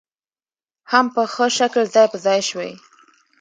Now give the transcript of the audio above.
هم په ښه شکل ځاى په ځاى شوې